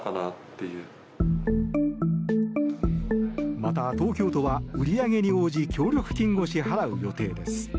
また東京都は売り上げに応じ協力金を支払う予定です。